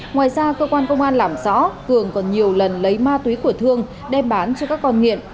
ngoài ra cơ quan công an làm rõ cường còn nhiều lần lấy ma túy của thương đem bán cho các con nghiện